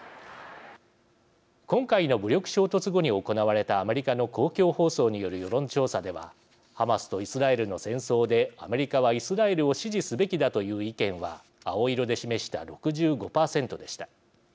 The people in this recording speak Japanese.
今回の武力衝突後に行われたアメリカの公共放送による世論調査ではハマスとイスラエルの戦争でアメリカはイスラエルを支持すべきだという意見は青色で示した６５％でした。